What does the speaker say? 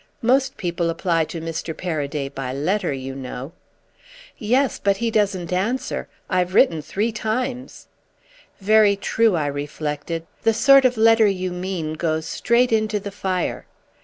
"Most people apply to Mr. Paraday by letter, you know." "Yes, but he doesn't answer. I've written three times." "Very true," I reflected; "the sort of letter you mean goes straight into the fire."